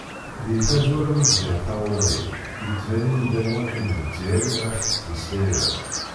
Deg tazwara mi bdiɣ taɣuri, yettban-iyi-d am wakken d Lzzayer i ɣef d-tettmeslayeḍ.